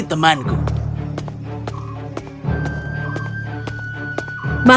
kau akan menyakiti temanku